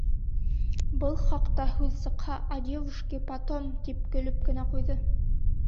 Был хаҡта һүҙ сыҡһа: «А девушки - потом!» - гип көлөп кенә ҡуйҙы.